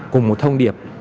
cùng một thông điệp